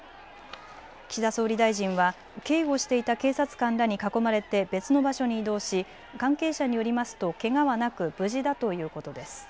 岸田総理大臣は警護していた警察官らに囲まれて別の場所に移動し、関係者によりますとけがはなく無事だということです。